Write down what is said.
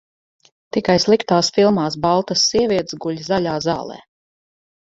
Tikai sliktās filmās baltas sievietes guļ zaļā zālē.